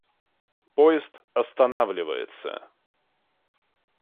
Поезд останавливается.